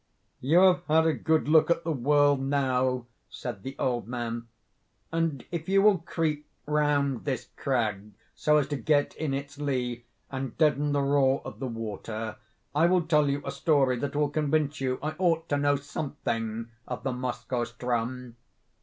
"You have had a good look at the whirl now," said the old man, "and if you will creep round this crag, so as to get in its lee, and deaden the roar of the water, I will tell you a story that will convince you I ought to know something of the Moskoe ström."